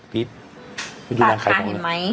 ไปดูนางขายของ